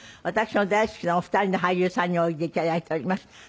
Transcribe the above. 私の大好きなお二人の俳優さんにおいで頂いております。